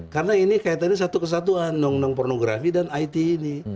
karena ini kayak tadi satu kesatuan undang undang pornografi dan it ini